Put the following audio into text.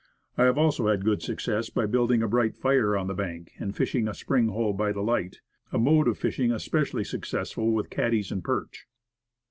I have also had good success by building a bright fire on the bank, and fishing a spring hole by the light a mode of fishing especially successful with catties and perch.